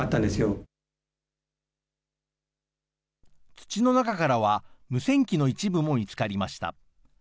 土の中からは、無線機の一部も見つかりました。